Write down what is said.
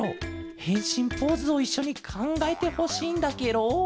へんしんポーズをいっしょにかんがえてほしいんだケロ。